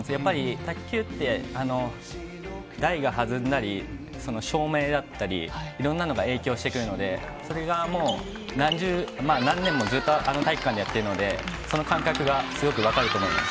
卓球って台がはずんだり、照明だったり、いろんなのが影響してくるので、それがもう、何年もずっとあの体育館でやっているので、その感覚が強く分かると思います。